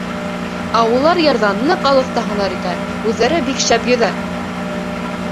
Ә улар ярҙан ныҡ алыҫта һунар итә, үҙҙәре бик шәп йөҙә.